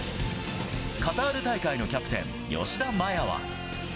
カタール大会のキャプテン、吉田麻也は。